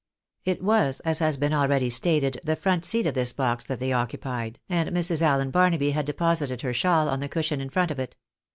It was, as has been already stated, the front seat of this box that they occupied, and Mrs. Allen Barnaby had deposited her shawl on the cushion in front of it.